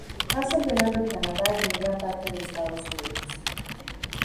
Pasa el verano en Canadá y en gran parte de Estados Unidos.